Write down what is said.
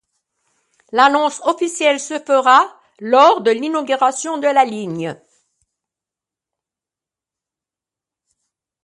L'annonce officielle se fera lors de l'inauguration de la ligne.